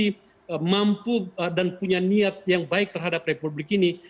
tolong teman teman yang masih mampu dan punya niat yang baik terhadap republik ini